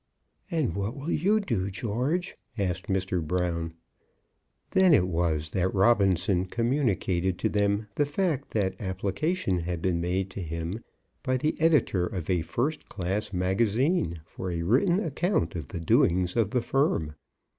"And what will you do, George?" asked Mr. Brown. Then it was that Robinson communicated to them the fact that application had been made to him by the Editor of a first class Magazine for a written account of the doings of the firm.